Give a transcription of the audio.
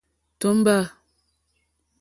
Tómbâ.